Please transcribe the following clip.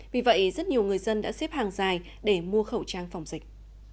vì vậy rất nhiều người dân đã xếp hàng dài để mua khẩu trang phòng dịch